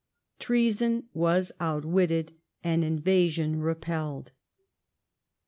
Treason was outwitted and invasion repelled.